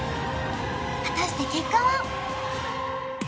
果たして結果は！？